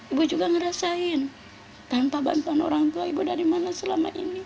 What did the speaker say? ibu juga merasakan tanpa bantuan orang tua ibu dari mana selama ini